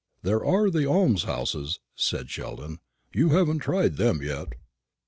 "There are the almshouses," said Sheldon; "you haven't tried them yet."